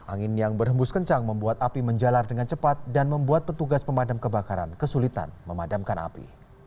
angin yang berhembus kencang membuat api menjalar dengan cepat dan membuat petugas pemadam kebakaran kesulitan memadamkan api